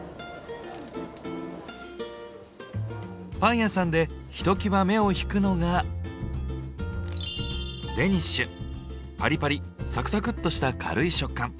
パン屋さんでひときわ目を引くのがパリパリサクサクッとした軽い食感。